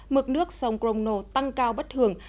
mực nước sông crono tăng cao bất thường